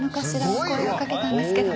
お声を掛けたんですけど」